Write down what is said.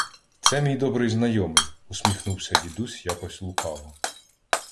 — Це мій добрий знайомий, — усміхнувся дідусь якось лукаво.